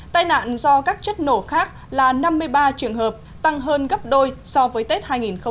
tai nạn do các chất nổ khác là năm mươi ba trường hợp tăng hơn gấp đôi so với tết hai nghìn một mươi chín